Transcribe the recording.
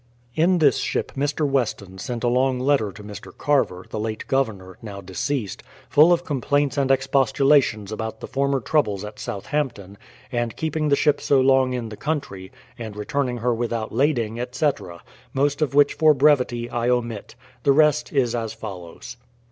In this ship Mr. Weston sent a long letter to Mr. Carver, the late Governor, now deceased, full of complaints and expostulations about the former troubles at Southampton, and keeping the ship so long in the country, and returning her without lading, etc., — most of which for brevity I omit. The rest is as follows.